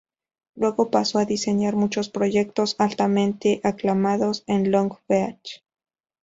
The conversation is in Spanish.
Luego pasó a diseñar muchos proyectos altamente aclamados en Long Beach.